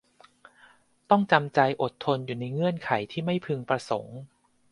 ต้องจำใจอดทนอยู่ในเงื่อนไขที่ไม่พึงประสงค์